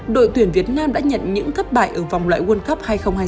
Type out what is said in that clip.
đội tuyển việt nam đã nhận những thất bại ở vòng loại world cup hai nghìn hai mươi